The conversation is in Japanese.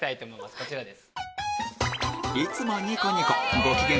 こちらです。